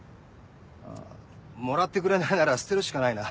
あぁもらってくれないなら捨てるしかないな。